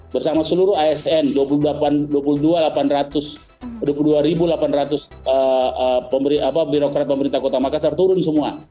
bersama seluruh asn dua puluh dua delapan ratus dua puluh dua delapan ratus birokrat pemerintah kota makassar turun semua